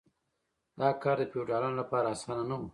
دا کار د فیوډالانو لپاره اسانه نه و.